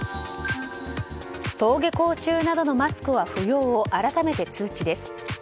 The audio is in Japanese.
登下校中などのマスクは不要を改めて通知です。